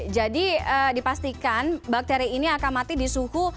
jadi dipastikan bakteri ini akan mati di suhu